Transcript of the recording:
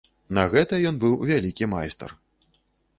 На гэта ён быў вялікі майстар.